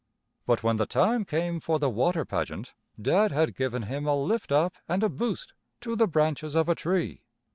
But when the time came for the water pageant, Dad had given him a lift up and a boost to the branches of a tree.